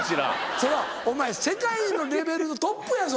そりゃお前世界のレベルのトップやぞ。